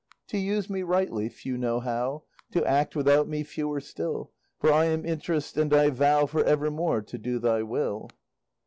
To use me rightly few know how, To act without me fewer still, For I am Interest, and I vow For evermore to do thy will.